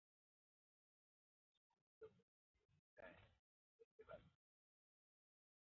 Se jubiló como periodista en "El Debate".